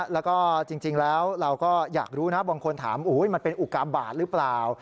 แล้วก็จริงแล้วเราก็อยากรู้นะบางคนถามมันเป็นอุกาบาทหรือเปล่า